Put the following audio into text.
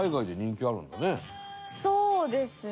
そうですね。